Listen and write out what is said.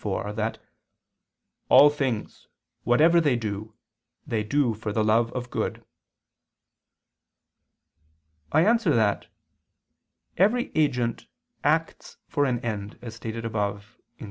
iv) that "all things, whatever they do, they do for the love of good." I answer that, Every agent acts for an end, as stated above (Q.